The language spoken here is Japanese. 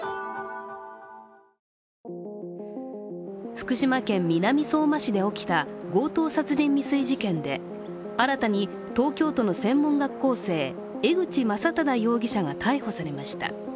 福島県南相馬市で起きた強盗殺人未遂事件で新たに東京都の専門学校生、江口将匡容疑者が逮捕されました。